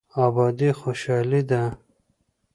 ابادي خوشحالي ده.